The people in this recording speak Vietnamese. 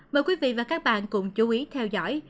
mời quý vị và các bạn cùng chú ý theo dõi